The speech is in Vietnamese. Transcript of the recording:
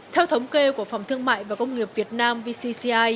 theo thống kê của phòng thương mại và công nghiệp việt nam vcci